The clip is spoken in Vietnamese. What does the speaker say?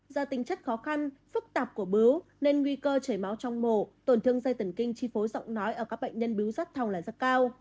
do tình chất khó khăn phức tạp của bíu nên nguy cơ chảy máu trong mổ tổn thương dây thần kinh chi phối rộng nói ở các bệnh nhân bíu rác thòng là rất cao